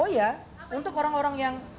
oh ya untuk orang orang yang